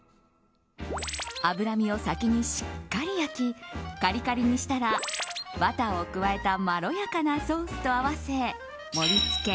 脂身を先にしっかり焼きカリカリにしたらバターを加えたまろやかなソースと合わせ盛り付け